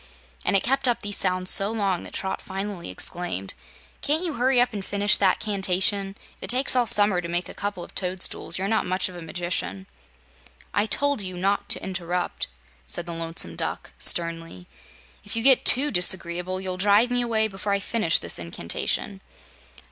And it kept up these sounds so long that Trot finally exclaimed: "Can't you hurry up and finish that 'cantation? If it takes all summer to make a couple of toadstools, you're not much of a magician." "I told you not to interrupt," said the Lonesome Duck, sternly. "If you get TOO disagreeable, you'll drive me away before I finish this incantation."